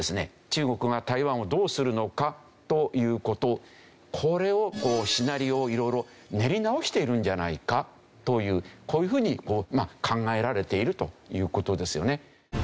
中国が台湾をどうするのかという事これをシナリオを色々練り直しているんじゃないかというこういうふうに考えられているという事ですよね。